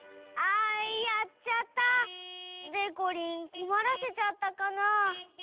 あっやっちゃった。でこりんこまらせちゃったかな？